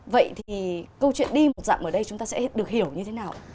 vậy thì câu chuyện đi một dặm ở đây chúng ta sẽ được hiểu như thế nào ạ